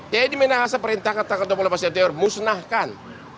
jadi menangasa perintah kata kata pemerintah musnahkan